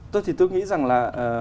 tôi thì tôi nghĩ rằng là